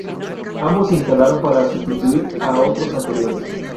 Ambos se instalaron para sustituir a otros anteriores.